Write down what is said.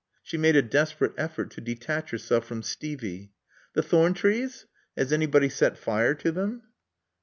She made a desperate effort to detach herself from Stevey. "The thorn trees? Has anybody set fire to them?"